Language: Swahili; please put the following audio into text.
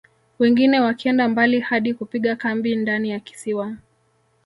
Wengine wakienda mbali hadi kupiga kambi ndani ya kisiwa